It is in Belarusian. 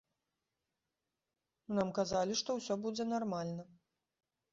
Нам казалі, што ўсё будзе нармальна.